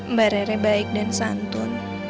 mbak rere baik dan santun